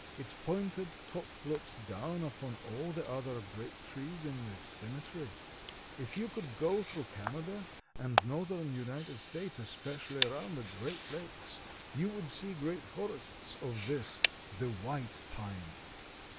Its pointed top looks down upon all the other great trees in this cemetery. If you could go through Canada and northern United States, especially around the Great Lakes, you would see great forests of this—the white pine.